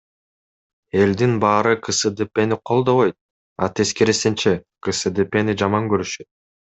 Элдин баары КСДПны колдобойт, а тескерисинче КСДПны жаман көрүшөт.